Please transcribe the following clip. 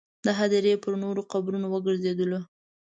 د هدیرې پر نورو قبرونو وګرځېدلو.